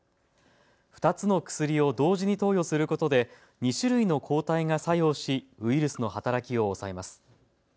２つの薬を同時に投与することで２種類の抗体が作用しウイルスの働きを抑えます。